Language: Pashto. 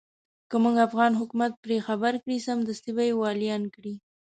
که موږ افغان حکومت پرې خبر کړ سمدستي به يې واليان کړي.